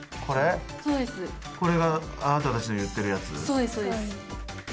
そうですそうです。